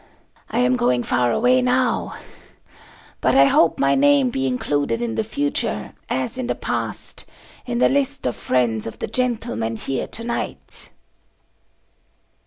I am going far away now, but I hope my name be included in the future as in the past in the list of friends of the gentlemen here to night."